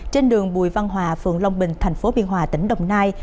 trên đường bùi văn hòa phường long bình thành phố biên hòa tỉnh đồng nai